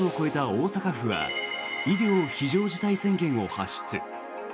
大阪府は医療非常事態宣言を発出。